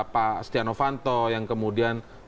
pak setia novanto yang kemudian